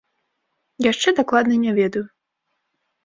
Яшчэ дакладна не ведаю.